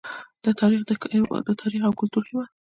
د تاریخ او کلتور هیواد.